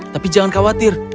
tapi jangan khawatir